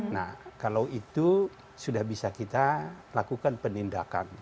nah kalau itu sudah bisa kita lakukan penindakan